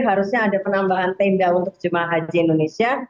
harusnya ada penambahan tenda untuk jemaah haji indonesia